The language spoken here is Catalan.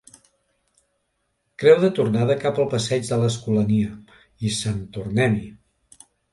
Creu de tornada cap al passeig de l'Escolania i sant tornem-hi.